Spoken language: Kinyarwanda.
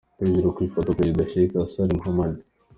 Hejuru ku ifoto : Perezida Sheikh Hassan Mohamud.